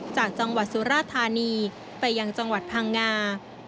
จากจังหวัดสุราธานีไปยังจังหวัดพังงา